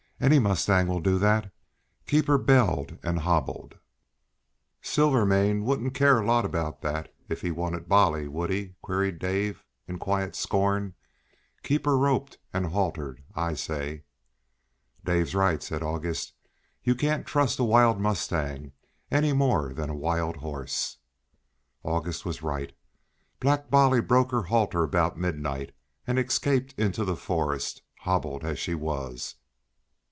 "Any mustang will do that. Keep her belled and hobbled." "Silvermane would care a lot about that, if he wanted Bolly, wouldn't he?" queried Dave in quiet scorn. "Keep her roped and haltered, I say." "Dave's right," said August. "You can't trust a wild mustang any more than a wild horse." August was right. Black Bolly broke her halter about midnight and escaped into the forest, hobbled as she was.